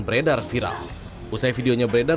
beredar viral usai videonya beredar